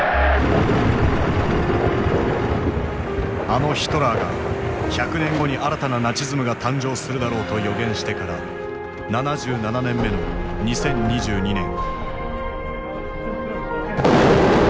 あのヒトラーが「１００年後に新たなナチズムが誕生するだろう」と予言してから７７年目の２０２２年。